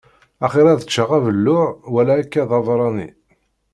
Axir ad ččeɣ abelluḍ wala akka d abeṛṛani.